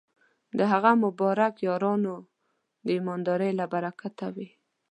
د هغه مبارک یارانو د ایماندارۍ له برکته وې.